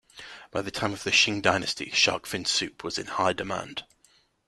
By the time of the Qing dynasty, shark fin soup was in high demand.